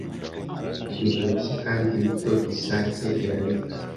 Biryoshye kandi bito; Isake irabika